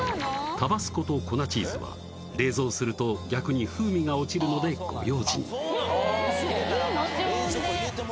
タバスコと粉チーズは冷蔵すると逆に風味が落ちるのでご用心ウソ？いいの？